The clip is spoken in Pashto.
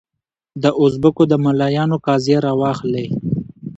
د اوزبکو د ملایانو قضیه راواخلې.